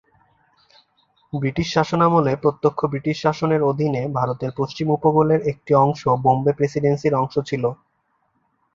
British শাসনামলে প্রত্যক্ষ British শাসনের অধীনে ভারতের পশ্চিম উপকূলের একটি অংশ বোম্বে প্রেসিডেন্সির অংশ ছিল।